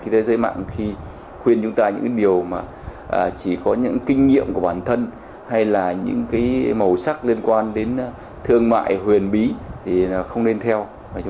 trên thế giới mạng khi khuyên chúng ta những điều mà chỉ có những kinh nghiệm của bản thân hay là những màu sắc liên quan đến thương mại huyền bí thì không nên theo